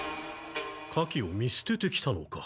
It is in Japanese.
火器を見すててきたのか。